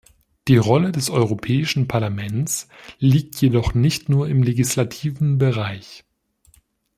Die Rolle des Europäischen Parlaments liegt jedoch nicht nur im legislativen Bereich.